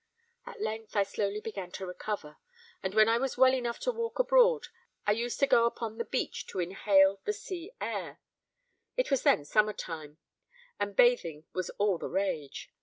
At length I slowly began to recover; and, when I was well enough to walk abroad, I used to go upon the beach to inhale the sea air. It was then summertime; and bathing was all the rage.